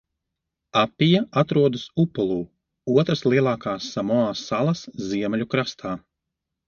Apija atrodas Upolu, otras lielākās Samoa salas, ziemeļu krastā.